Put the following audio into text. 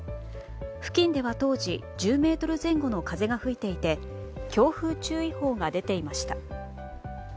付近では当時１０メートル前後の風が吹いていて強風注意報が出ていました。